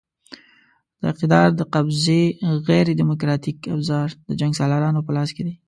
د اقتدار د قبضې غیر دیموکراتیک ابزار د جنګسالارانو په لاس کې دي.